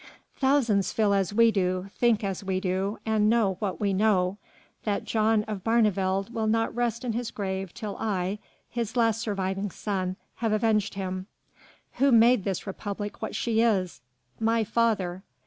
Thousands feel as we do, think as we do, and know what we know, that John of Barneveld will not rest in his grave till I, his last surviving son, have avenged him. Who made this Republic what she is? My father.